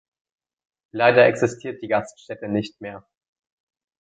Leider existiert die Gaststätte nicht mehr.